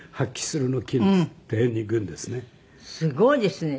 すごいですね。